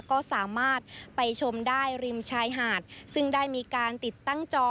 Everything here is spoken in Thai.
ก็สามารถไปชมได้ริมชายหาดซึ่งได้มีการติดตั้งจอ